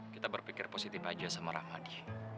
kita berpikir positif aja sama rahmadi